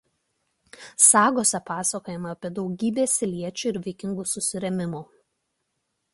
Sagose pasakojama apie daugybę saliečių ir vikingų susirėmimų.